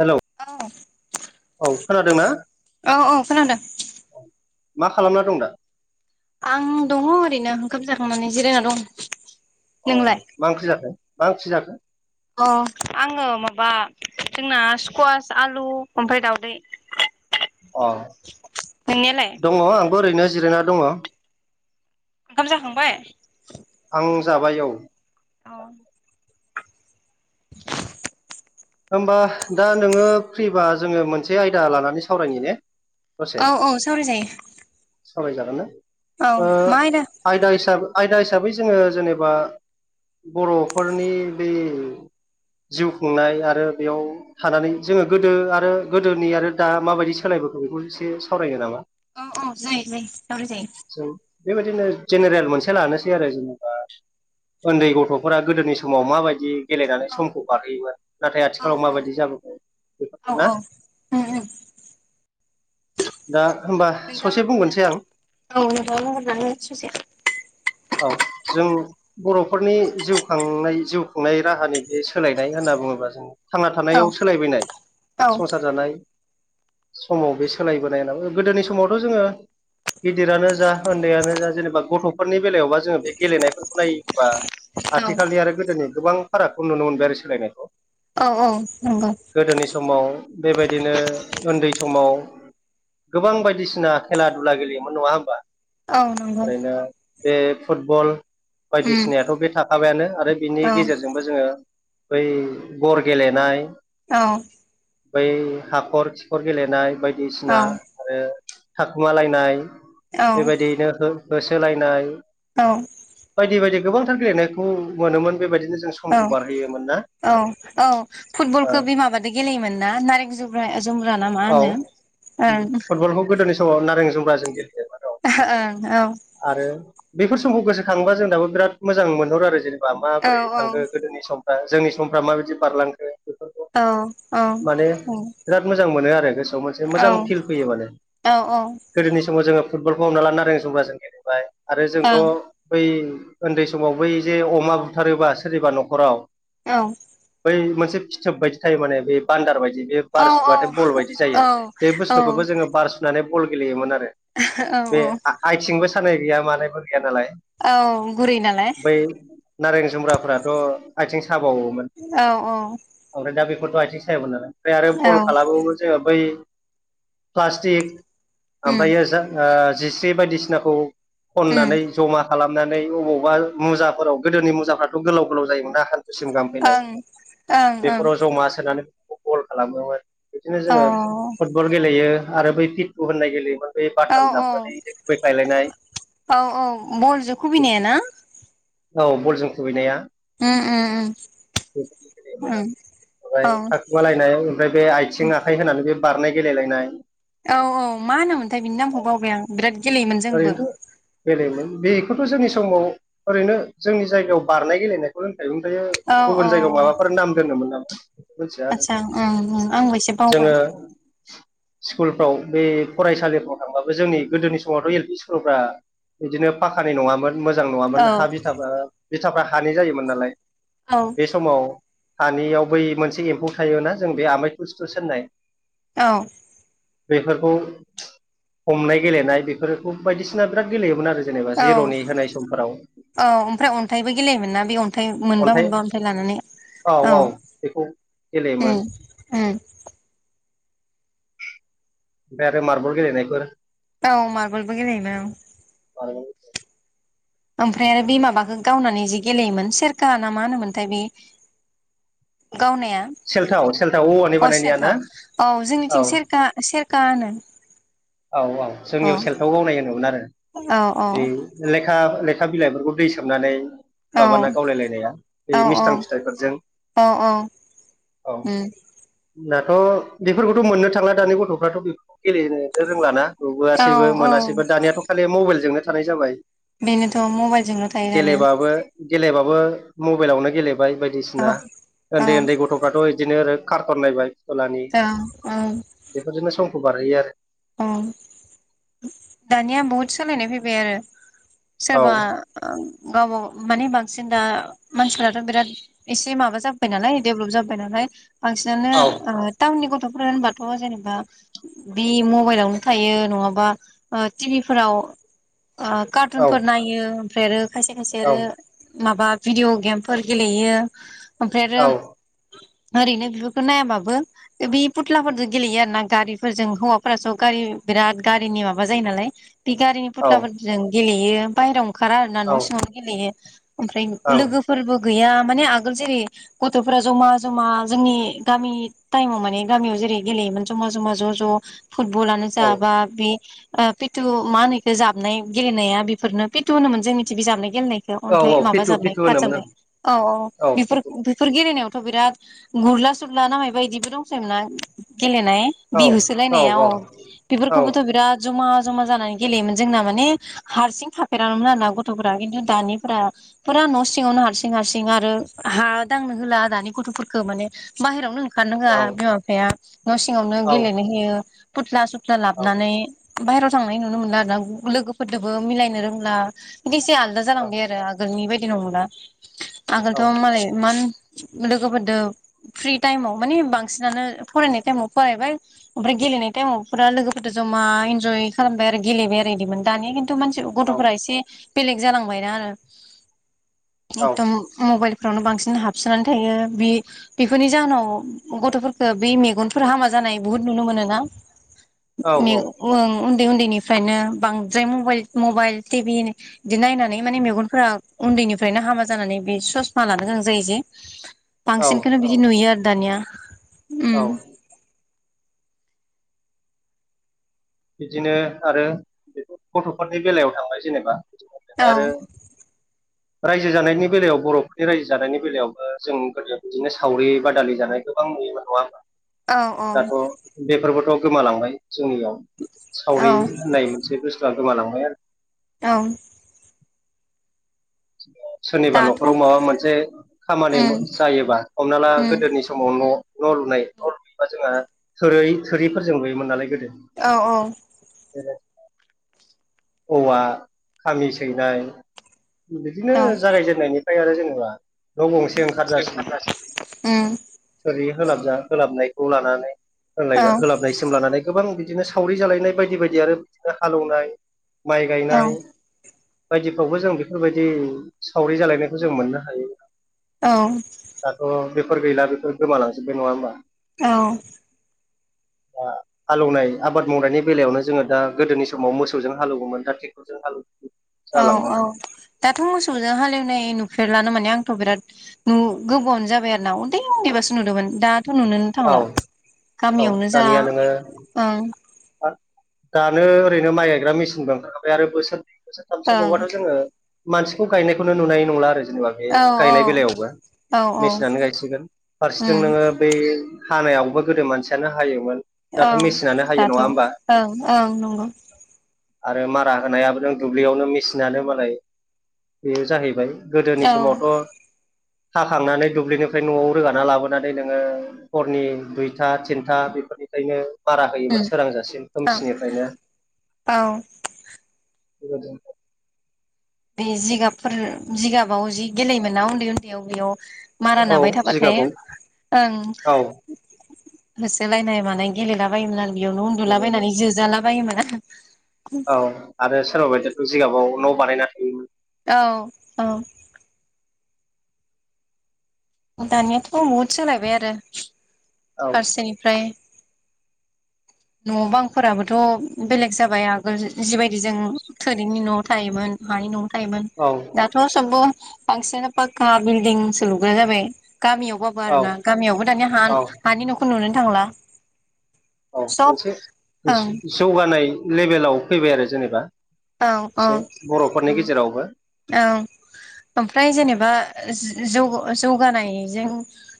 Hello औ औ खोनादोंना औ खोनादों मा खालामना दं दा? आं दङ ओरैनो ओंखाम जाखांनानै जिरायना दं अ नोंलाय मा ओंख्रि जाखो मा ओंख्रि जाखो? अ आङो माबा जोंना स्कवास आलु ओमफ्राय दावदै अ नोंनियालाय दङ आंबो ओरैनो जिरायना दङ ओंखाम जाखांबाय? आं जाबाय औ अ होमबा दा नोङो फ्रिबा जोङो मोनसे आयदा लानानै सावरायनि ने दसे औ औ सावराय जायो सावरायजागोन ना ओ आयदा हिसाबै आयदा हिसाबै जोङो जेनेबा बर फोरनि बे जिउ खुंनाय आ आरो बेयाव थानानै जोङो गोदो आरो गोदोनि आरो दा माबायदि सोलायबोखो दा बेखौ एसे सावरायनो नामा? औ औ जायो जायो सावराय जायो बिदिनो जेनेरेल मोनसे लानोसै आरो जेनेबा उन्दै गथ फोरा गोदोनि समाव माबायदि गेलेनानै औ समखौ बारहोयोमोन नाथाय औ आथिखालाव औ माबायदि जाबोखो बेफोरखौ औ ना औ उम उम दा होमबा नोंथाङा ससे बुंग्रोनोसै आं। औ नोंथाङा बुंहरनानै ससे औ जों बर फोरनि जिउ खांनाय जिउ खुंनाय राहानि बे सोलायनाय होनना बुङोबा जों थांना औ थानायाव सोलायबोननाय औ संसार जानाय समाव बे सोलायबोनाय नाम गोदोनि समावथ जोङो गिदिरानो जा उन्दैयानो जा जेनेबा गथ फोरनि बेलायावबा जोङो बे गेलेनायफोरखौ नायोबा‌। औ आथिखालनि आरो गोदोनि गोबां फारागखौ नुनो मोनबाय आरो सोलायनायखौ औ औ नंगौ । गोदोनि समाव बेबायदिनो उन्दै समाव गोबां बायदिसिना खेला दुला गेलेयोमोन नङा होमबा? औ नंगौ। ओरैनो बे फुटबल उम बायदिसिनायाथ बे थाखाबायानो आरो बिनि औ गेजेरजोंबो जोङो। बै गर गेलेनाय औ बै हाखर खिखर गेलेनाय औ बायदिसिना आरो थाखुमालायनाय। बेबायदियैनो हो होसोलायनाय औ बायदि बायदि गोबांथार गेलेनायखौ मोनोमोन बेबायदिनो जों समखौ औ बारहोयोमोन। ना औ औ फुटबलखौ बे माबादो गेलेयोमोन ना नारें जुमब्रा। ना मा औ होनो फुटबलखौ गोदोनि समाव नारें जुमब्राजों गेलेयो। ओं ओं आरो बेफोर समखौ गोसोखांबा जों दाबो बिराद मोजां मोनहरो आरो जेन बा औ माबोरै थांखो गोदोनि समफ्रा जोंनि समफ्रा माबायदि बारलांखो। बेफोरखौ औ माने औ बिराद मोजां मोनो आरो गोसोआव मोनसे मोजां फिल औ फैयो माने औ गोदोनि समाव जोङो फुटबलखौ हमना ला नारें जुमब्रा जों गेलेबाय आरो औ जोंथ' बै उन्दै समाव बै जे अमा बुथारोबा सोरनिबा न'खराव औ बै मोनसे फिथोब बायदि थायो माने बे बान्दार बायदि बे औ बार औ सुबााथ' बल बायदि जायो, बे औ बुस्थुखौबो जोङो बार सुनानै बल गेलेयोमोन आरो। औ बे औ आथिंबो सानाय गैया मानायबो गया नालाय औ गुरै नालाय बै नारें जुमब्राफोरा राथ' आथिं साबावोमोन औ औ ओमफ्राय दा बे थ' आथिं सायोमोन आरोय ओमफ्राय आरो औ बल खालामबावो जोङो बै प्लास्टिक उम ओमफ्रायो जा जिस्रि बायदिसिनाखौ उम खननानै जमा खालामनानै बबावबा मुजाफोराव गोदोनि मुजाफ्राथ' गोलाव गोलाव जायोमोन। दा हान्थुसिम गाहामफैनाय ओं ओं ओं बेफोराव जमा सोनानै बेफोरखौ बल खालामोमोन। बिदिनो जोङो औ फुटबल गेलेयो आरो बै पिटु होननाय गेलेयोमोन। बे औ बाथाम जाबनानैेै खुबैखायलायनाय। औ औ बलजों खुबैनायाना। औ बलजों खुबैनाया। उम उम उम ओमफ्राय औ थाखुमालायनाय ओमफ्राय बे आथिं आखाइ होनानै बे बारनाय गेलेलायनाय औ औ मा होनामोनथाय बिनि नामखौ बावबाय आं बिराद गेलेयोमोन जोंबो ओरैनोथ' बेलेमोन बेखौथ' जोंनि समाव ओरैनो जोंनि जायगायाव बारनाय गेलेनायखौल होनखायोमोन। ओमफ्र औ औ गुबुन जायगायाव माबाफोर नाम दोनोममोन नामा? मिथिया आरो आदसा ओं ओं आंबो एसे जोङो बावबाय स्कुलफ्राव बे फरायसालिफ्राव थांबाबो जोंनि गोदोनि सम समावथ' एल पि स्कुलफ्रा बिदिनो फाखानि नङामोन मोजां औ नङामोन हा बिथाफ्रा बिथाफ्रा हानि जायोमोन नालाय, औ बे समाव हानियाव बै मोनसे एम्फौ थायोना जों बे आमाय थुस थुस होननाय औ । बेफोरखौ हमनाय गेलेनाय बेफोरखौ बायदिसिना बिराद गेलेयोमोन आरो जेनेबा औ जिर'नि होनाय समफोराव औ ओमफ्राय अन्थाइबो गेलेयोमोन ना बे अन्थाइ मोनबा मोनबा अन्थाइ लानानै औ औ बेखौ उम गेलेयोमोन उम । बे आरो मारबल गेलेलनायफोर । औ मारगलबो गेलेयो मोन औ । औ दे । ओमफ्राय आरो बे माबाखौ गावनानै जि गेलेयोमोन सेरखा ना मा होनोमोनथाय बे [inaudible] गावनाया सेल्थाव सेल्थाव औवानि अ बानायनाया ना सेलथाव औ औ जोंनिथिं सेरखा सेर खा होनो । औ औ जोंनियाव सेलथाव गावनाय होनोमोन आरो औ औ बे खा लेखा बिलाइफोरखौ दै सोमनानै औ माबाना गावलायलायनाया औ बे मिस्थां फिथाइफोरजों औ उम । दाथ' बेफोरखौथ' मोननो थांला दानि गथ'फ्राथ' बेफोरखौ गेलेनो रोंलााना? औ नुबोआसैबो औ औ मोनासैबो दानियाथ' खालि मबाइलजोंनो थानाय जाबाय । बेनोथ' मबाइलजोंल' थायो दानिया गेलेबाबो गेलेबाबो बो मबाइलावनो गेलेबाय औ बायदिसिना उन्दै उन्दै औ गथ'फ्राथ' बिदिनो आरो खारथन नायबाय फुथुलानि औ बेफोरजोंनो समखौ बारहोयो आरो । अ दानिया बहुद सोलायनाय फैबाय आरो सोरबा ओ गाबा माने बांसिन दा मानसिफथ' बिराद एसे माबा जाबाय नालाय देभलप जाबाय नालाय बांसिनानो औ ओ टाउननि गथ'फोरा होनबाथ' जेनेबा बि म मबाइलावनो थायो नङाबा ओ टिभि फोराव ओ औ कारटुनफोर नायो ओमफ्राय आरो खायसे खायसे औ आरो माबा भिडिअ गेमफोर गेलेयो ओमफ्राय आरो औ ओरैनो बेफोरखौ नायाबाबो बे फुथ्लाफोरजों गेलेयो आर ना गारिफोरजों हौवा फ्राथ' गारि बिराद गारिनि माबा जायो नालाय बे गारिनि औ फथ्लाफोरजों गेलेयो बाहेरायाव ओंखारा आरोना न' सिङावनो गेलेयो ओमफ्राय लोगोफोरबो गैया माने आगोल जेरै गथ'फोरा जमा जमा जोंनि गामि टाइमाव माने गामियाव जेरै गेलेयोमोन ज'मा ज'मा ज' ज' फुटबलानो ओं जाबा बे पेटु मा होनोखो जाबनाय गेलेनाया बेफोरनो पेटु होनोमोन जोंनिथि बे जाबनाय गेलेनायखौ औ अन्थाइ औ फिथु माबाजाबनाय फिथु होनोमोन ओं कारजाबनाय औ औ बेफोर बेफोर गेलेनायाव थ' बिराद गुरला सुरला नामा बिदिबो दंसैमोन ना गेलेनाय औ बिहोसोलाय औ औ नायाव औ बेफोरखौबोथ' बिराद जमा जमा जानानै गेलेयोमोन जोंना माने हारसिं थाफेरामोमोन आरोना गथ'फोरा्रा खिन्थु दानिफोरा फुरा न' सिङावनो हारसिं हारसिं आरो हा दांनो होला दानि गथ'फोरखौ माने बाहेरावनो ओंखारनो होआ औ बिमा बिफाया न' सिङावनो औ गेलेनो होयो फुथ्ला सुथ्ला लाबनानै बायहेरायाव थांनाय नुनो मोनला आरो ना लोगोफोरजोंबो मिलायनो रोंला बि एसे आलादा जालांबाय आरो आगोलनि बायदि नंला आगोलथ' मालाय इमान लोगोफोरजों फ्रि टाइमाव मानि बांसिनानो फरायनाय टाइमाव फरायबाय ओमफ्राय गेलेनाय टाइमावफोरा लोगोफोरजों जमा इन्जय खालामबाय आरो गेलेबाय आरो बिदिमोन दानिया खिन्थु मानसि गथ'फोरा एसे बेलेग जालांबायना आरो एकदम मबाइल मबाइफ्रावनो बांसिन हाबसोनानै थायो बे बेफोरनि जाहोनाव गथ'फोरखौ बे मेगनफोरा हामा जा जानाय बहुद नुनो मोनो ना? औ मे ओम उन्दै उन्दैनिफ्रायनो बांद्राय मबाइल मबाइल टिभि बिदि नायनानै माने मेगनफोरा उन्दैनिफ्रायनो हामा जानानै बे ससमा लानो गोनां जायो जे औ बांसिनखौनो बिदि नुयो आरो दानिया। उम औ बिदिनो आरो बे गथ'फोरनि बेलायाव थांबाय जेनेबा औ आरो रायजो जानायनि बेलायाव बर'फोरनि रायजो जानायनि बेलायावबो जों गोदोनिफ्रायनो बिदिनो सावरि बादालि जानाय गोबां नुयोमोन नङा औ दाथ' औ बेफोरबोथ' गोमालांबाय जोंनियाव सावरि औ होननाय मोनसे बुस्थुआ गोमालांबाय आरो। औ [inaudible] सोरनिबा दाथ' न'खराव माबा मोनसे खामानि उम जायोबा हमना ला उम गोदोनि समाव न' न' लुनाय न' लुयोबा जोंहा थोरै थोरैफोर जों नुयोमोन नालाय गोदो। औ औ औवा खामि सैनाय बिदिनो औ जागायजेननायनिफ्राय आरो जेनेबा न' उम गंसे ओंखारजासिम थोरि होलाबजा होलाबनाय खौ लानानै होलानाय औ होलाबनायसिम लानानै गोबां बि बिदिनो सावरि जालायनाय बायदि बायदि आरो बिदिनो हालेवनाय माइ औ गायनाय बायदिफ्रावबो जों बेफोरबायदि सावरि जालायनायखौ जों मोननो हायो। औ दाथ' बेफोर गैला बेफोर गोमालांजोबबाय नङा होमबा? दा हालौवनाय आबाद मावनायनि बेलायावनो जोङो दा गोदोनि समाव मोसौ जों हालौओमोन दा ट्रेक्टरजों हालौओ। औ औ दाथ' मोसौजों हालेवनाय नु फेरलानो माने आंथ' बिराद नु गोबावानो जाबाय आरो ना उन्दै उन्दैबासो नुदोंमोन दा थ' नुुनोनो औ थांला औ गामियावनो जा दानिया नोङो ओं दानो ओरैनो माइ गायग्रा मेसिनबो ओंखारखाबाय आरो बोसोरनै बोसोरथामसो ओं बावबाथ' जोङो मानसिखौ गायनायखौनो नुनाय नंला आरो। जेनेबा बे औ गायनाय बेलायावबो औ औ मेसिनानो गायसिगोन फारसेथिं उम नोङो बै हानायावबो गोदो मानसियानो हायोमोन। औ दाथ' मेसिनानो हायो दाथ' नङा होमबा? ओं ओं नंगौ आरो मारा होनायाबो नों दुब्लियावनो मेसिनानो मालाय बेयो जाहैबाय गोदोनि औ समावथ' हाखांनानै दुब्लिनिफ्राय न'आव रोगाना लाबोनानै नोङो हरनि दुइथा थिनथा बेफोरनिफ्रायनो मारा होयोमोन उम सोरांजासिम औ खोमसिनिफ्रायनो। औ [unintelligible] बे जिगाबफोर जिगाबाव जि गेलेयोमोन ना उन्दै उन्दैयाव बेयाव मारा औ नाबाय थाबाथाय जिगाबाव ओं औ होसोलायनाय मानाय गेलेलाबायोमोन आरो बेयावनो हेबोमोन उन्दुलाबायनानै जोजाला बायोमोन। औ आरो सोरबा बायदियाथ' जिगाबाव न' बानायना थायोमोन। औ औ दानियाथ' बुहुत सोलायबाय आरो औ फारसेनिफ्राय न' बांफोराबोथ' बेलेग जाबाय आगोल जिबायदि जों थोरिनि न'आव थायोमोन। हानि न'आव थायोमोन औ दाथ' सबबो बांसिन पाक्का बिल्डिंसो लुग्रा जाबाय। गामियावबाबो औ आरो ना गामियावबो दानिया हा औ हानि न'खौ नुनोनो थांला। औ सब मोनसे ओं जौगानाय लेबेलाव फैबाय आरो जेनेबा। औ औ एसे बर'फोरनि गेजेरावबो। औ ओमफ्राय जेनेबा जौ-जौगानायजों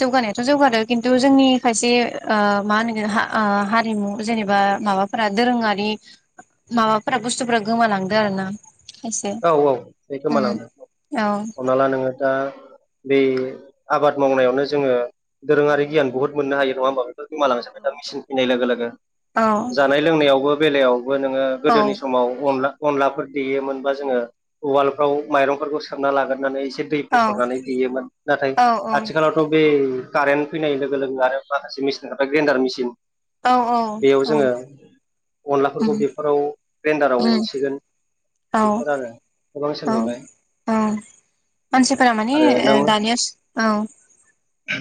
जौगानायाथ' जौगादों किनतु जोंनि खायसे ओ मा होनगोन हा ओ हारिमु जेनेबा माबाफोरा दोरोङारि माबाफोरा बुस्तुफोरा गोमालांदो आरो ना। खायसे औ औ बे गोमालांदों औ हमना ला नोङो दा बे आबाद मावनायावनो जोङो दोरोङारि गियान बुहुद मोननो हायो नङा होमबा बेफोर गोमालांजोबबाय दा मिसिन फैनाय लोगो लोगो औ जानाय लोंनायावबो बेलायाव नोङो औ गोदोनि समाव अनला अनलाफोर देयोमोनबा जोङो उवालफ्राव माइरंफोरखौ सोमना लाग्रोनानै दै औ फसरनानै देयोमोन नाथाय औ आथिखालावथ' बे कारेन्ट फैनाय लोगो लोगो आरो माखासे मेसिन ओंखारबाय ग्रेन्डार मेसिन औ औ बेयाव औ जोङो अनलाफोरखौ बेफोराव ग्रेन्दाराव उनसिगोन औ बेफोर आरो गोबां औ सोलायबाय औ मानसिफोरा माने ओ दानिया स औ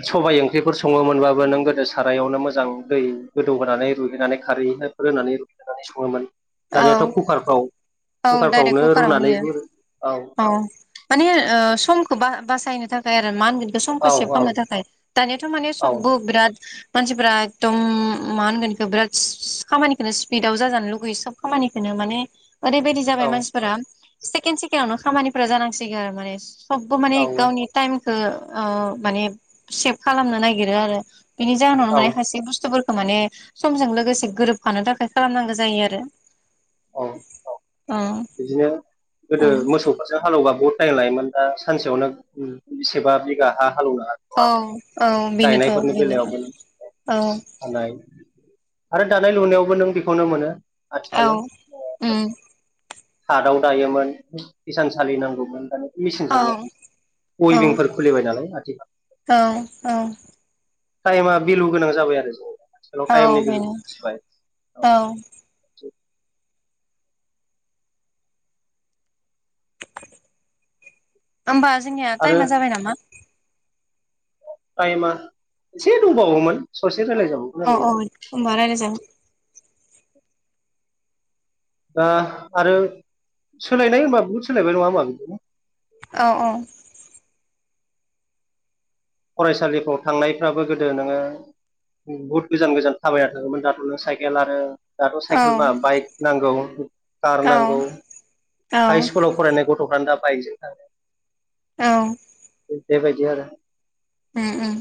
सबाय ओंख्रिफोर सङोमोनबाबो नों गोदो सारायावनो मोजां दै गोदौ होनानै रुहैनानै खारैफोर होनानै सङोमोन औ दानियाथ' कुकारफ्राव औ डायरेख कुकारफ्रावनो कुकाराव रुनानै होयो औ माने ओ समखौ ब बासायनो थाखाय आरो मा बे औ समखौ सेभ खालामनो थाखाय दानियाथ' माने सबबो बिराद मानसिफोरा एकदम मा होनगोन बेखौ बिराद खामानिखौनो स्पिडाव जाजानो लुगैयो खामानिखौनो माने ओरैबायदि जाबाय मानसिफोरा सेकेणड सेकेणडवनो खामानिफोरा जानांसिगोन आरो माने सबबो औ माने गावनि टाइम ओ ओ माने सेब खालामनो नागिरो आरो बिनि जाहोनावनो औ माने खायसे बुस्थु माने समजों लोगोसे गोरोबफानो थाखाय खालामनांगौ जायो आरो औ औ बिदिनो गोदो मोसौफोरासो हालेव बहुद टाइम लायोमोन दा सानसेयावनो बेसेबा बिगा हा हालौनो औ हाग औ बेनोथ' गायनायफोरनि बेनो बेलायावनो औ हानाय आरो दानाय लुनायावबो नों बेखौनो मोनो आथिखालाव औ थादाव दायोमोन हिसान सालि नांगौमोन दानि औ मेचिनजोंनो औ उइभिंफोर खुलिबाय नालाय आथिखाल औ औ टाइमा बिलु गोनां जाबाय आरो ज औ टाइमनि बेनो भिलुखौ बुजिबाइ औ होमबा जोंनिया आरो टाइमा जाबाय नामा? टाइमा एसे दंबावोमोन ससे अ रायज्लायजाबावगोन औ औ ओरैनो होमबा रायलायजागोन दा आरो सोलायनाय होनबा बहुद सोलायबाय नङा होनबा बिदिनो औ औ फरायसालिफ्राव थांनायफ्राबो गोदो नोङो बुहुत गोजान गोजान थाबायना थाङोमोन दाथ'नो साइकेल आरो दाथ' औ साइकेल बा बाइक नांगौ कार नांगौ औ औ हाइ स्कुलाव फरायनायखौ गथ'फ्रानो दा बाइकजों थाङ़ो औ बेबायदि आरो ओम ओम